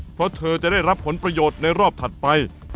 เพราะเธอจะได้รับผลประโยชน์ในรอบถัดไป